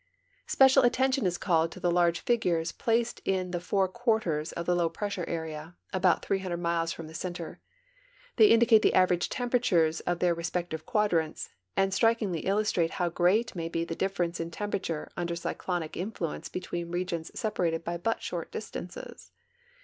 Special attention is called to the large figures placed in the four quarters of the low pressure area, about 300 miles from the center. They indicate the average temperatures of their re spective quadrants, and strikingly illustrate how great may be the difference in temperature under cyclonic influence between regions separated by but short distances.